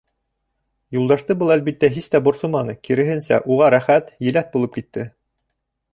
Юлдашты был, әлбиттә, һис тә борсоманы, киреһенсә, уға рәхәт, еләҫ булып китте.